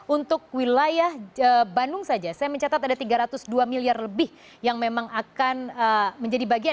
untuk wilayah bandung saja saya mencatat ada tiga ratus dua miliar lebih yang memang akan menjadi bagian